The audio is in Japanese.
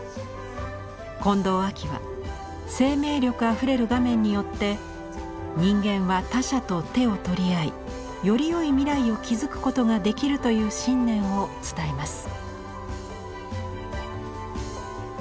近藤亜樹は生命力あふれる画面によって「人間は他者と手を取り合いより良い未来を築くことができる」という信念を伝えます。